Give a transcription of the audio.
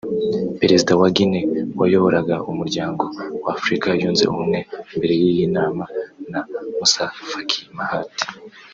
Perezida wa Guinnée wayoboraga umuryango w’Afrika yunze ubumwe mbere y’iyi nama na Moussa Faki Mahamat